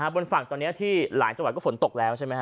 บนฝั่งตอนนี้ที่หลายจังหวัดก็ฝนตกแล้วใช่ไหมฮ